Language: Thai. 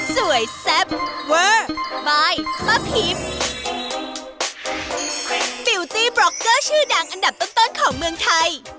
สวัสดีค่ะ